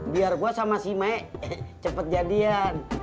biar saya sama si me cepat jadian